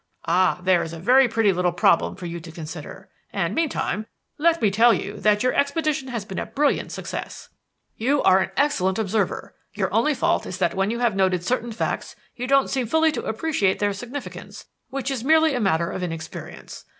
"Ah, there is a very pretty little problem for you to consider. And, meantime, let me tell you that your expedition has been a brilliant success. You are an excellent observer. Your only fault is that when you have noted certain facts you don't seem fully to appreciate their significance which is merely a matter of inexperience.